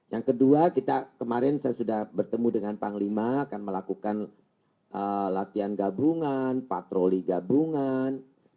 yang kedua kita kemarin saya sudah bertemu dengan panglima akan melakukan latihan gabungan patroli gabungan